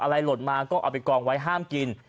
อะไรหลดมาก็เอาไปกองไว้ห้ามกิน